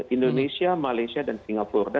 indonesia malaysia dan singapura